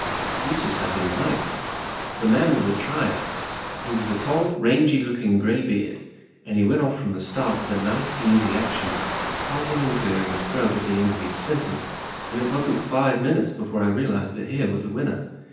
Eustace had been right. The tnan was a trier* He was a tail, rangydooking greybeard, and he w r ent off from the start with a nice, easy action, pausing and clearing bis throat at the end of each sentence, and it w r asn + t five minutes before I realized that here was the w inner.